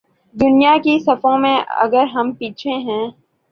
دنیا کی صفوں میں اگر ہم پیچھے ہیں۔